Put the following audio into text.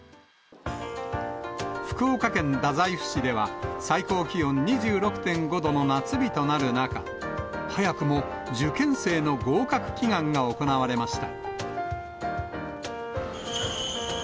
福岡県太宰府市では、最高気温２６．５度の夏日となる中、早くも受験生の合格祈願が行われました。